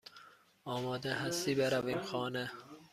آماده هستی برویم خانه؟